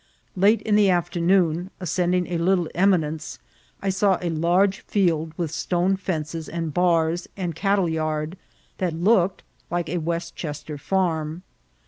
Late in the afternoon, ascending a little em inence, I saw a large field with stone fences, and bars, and cattle yard, that looked like a Westchester {nrm.